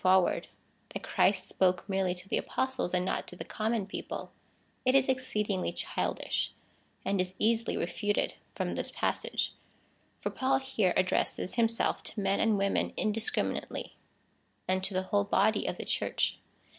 forward — tliat Christ spoke merely to the Apostles, and not to the common people — it is exceedingly childish, and is easily refuted from this passage — for Paul here addresses himself to men and women indiscriminately, and to the whole body of the Church.